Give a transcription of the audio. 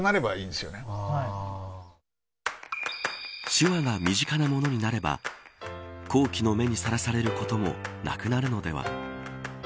手話が身近なものになれば好奇の目にさらされることもなくなるのでは。